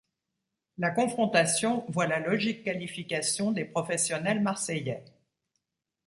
La confrontation voit la logique qualification des professionnels marseillais.